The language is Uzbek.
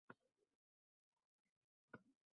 – Tovog‘i qani?